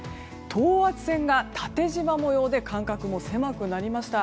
等圧線が縦じま模様で間隔も狭くなりました。